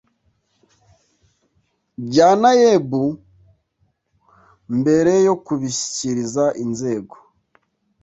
bya naeb mbere yo kubishyikiriza inzego